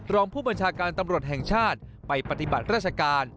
รองผู้บัญชาการตำรวจแห่งชาติไปปฏิบัติราชการ